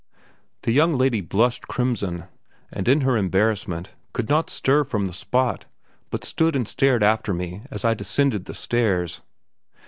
The young lady blushed crimson, and in her embarrassment could not stir from the spot, but stood and stared after me as I descended the stairs.